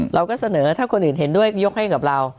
เราก็เสนอถ้าคนอื่นเห็นด้วยยกให้กับเรา